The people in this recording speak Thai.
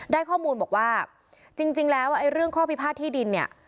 ได้ข้อมูลบอกว่าจริงแล้วไอ้เรื่องข้อพิพาทที่ดินเนี่ย